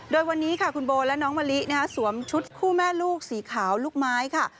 โดยวันนี้ค่ะคุณโบและน้องมะลิสวมชุดคู่แม่ลูกสีขาวลูกไม้ค่ะ